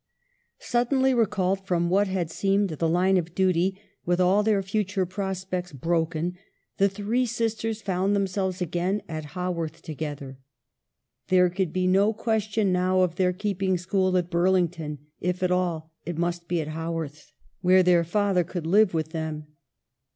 Suddenly recalled from what had seemed the line of duty, with all their future prospects broken, the three sisters found themselves again at Haworth together. There could be no ques tion now of their keeping a school at Burlington ; if at all, it must be at Haworth, where their father could live with them.